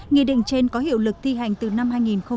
nghị định trên có hiệu lực thi hành từ năm hai nghìn một mươi một